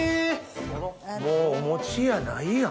もうお餅やないやん。